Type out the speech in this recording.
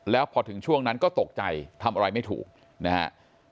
แล้วพอถึงช่วงนั้นก็ตกใจทำอะไรไม่ถูกนะฮะ